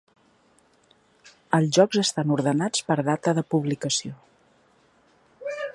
Els jocs estan ordenats per data de publicació.